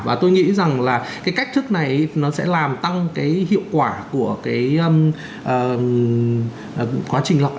và tôi nghĩ rằng là cái cách thức này nó sẽ làm tăng cái hiệu quả của cái quá trình lọc